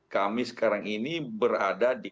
kami sekarang ini berada di